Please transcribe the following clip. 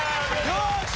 よし！